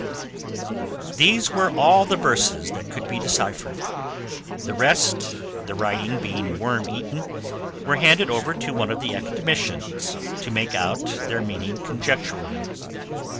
These were all the verses that could be deciphered; the rest, the writing being worm eaten, were handed over to one of the Academicians to make out their meaning conjecturally.